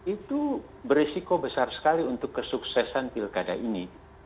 itu beresiko besar sekali untuk kesuksesan pilkada ini